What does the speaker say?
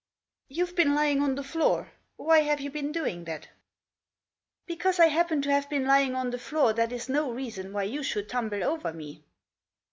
" You've been lying on the floor. Why have you been doing that ?"" Because I happen to have been lying on the floor that is no reason why you should tumble over me."